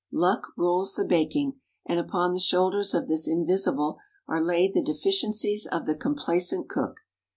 "Luck" rules the baking, and upon the shoulders of this Invisible are laid the deficiencies of the complacent cook.